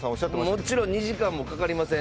もちろん２時間もかかりません